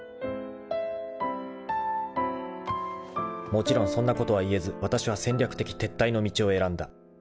［もちろんそんなことは言えずわたしは戦略的撤退の道を選んだ］